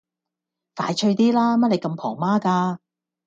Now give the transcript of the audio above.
快脆啲啦，乜你咁婆媽㗎